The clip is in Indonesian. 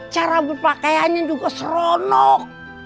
cara berpakaiannya juga seronok